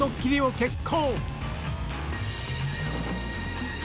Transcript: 決行！